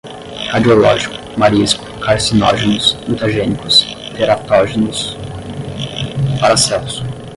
radiológico, marisco, carcinógenos, mutagênicos, teratógenos, Paracelso